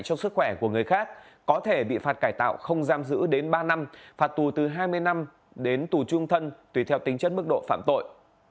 cho sức khỏe của người khác có thể bị phạt cải tạo không giam giữ đến ba năm phạt tù từ hai mươi năm đến tù trung thân tùy theo tính chất mức độ phạm tội